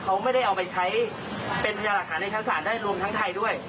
เขาไม่ได้เอาไปใช้เป็นพยาหลักฐานในชั้นศาลได้รวมทั้งไทยด้วย